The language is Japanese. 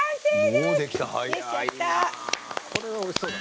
これは、おいしそうだ。